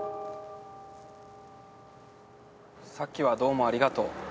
さっきはどうもありがとう。